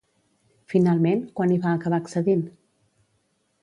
Finalment, quan hi va acabar accedint?